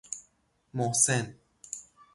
محسن